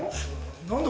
何だ？